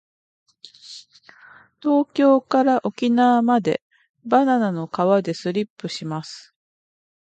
東京から沖縄までバナナの皮でスリップします。